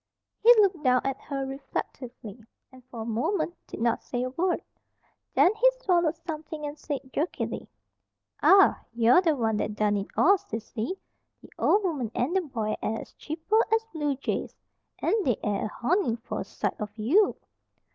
He looked down at her reflectively, and for a moment did not say a word. Then he swallowed something and said, jerkily: "An' you're the one that done it all, Sissy! The ol' woman an' the boy air as chipper as bluejays. An' they air a honin' for a sight on you."